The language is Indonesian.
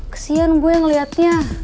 kesian gue ngeliatnya